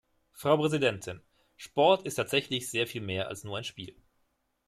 Frau Präsidentin! Sport ist tatsächlich sehr viel mehr als nur ein Spiel.